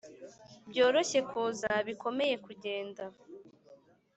byoroshye kuza, bikomeye kugenda